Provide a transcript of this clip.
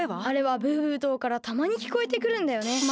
あれはブーブー島からたまにきこえてくるんだよね。